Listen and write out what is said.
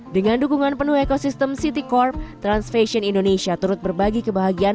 dengan dukungan penuh ekosistem city corp trans fashion indonesia turut berbagi kebahagiaan